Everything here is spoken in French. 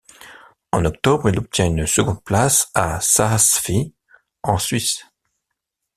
En octobre il obtient une seconde place à Saas-Fee en Suisse.